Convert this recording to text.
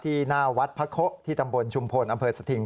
หน้าวัดพระโคะที่ตำบลชุมพลอำเภอสถิง